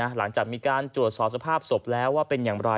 หลังจากมีการตรวจสอบสภาพศพแล้วว่าเป็นอย่างไร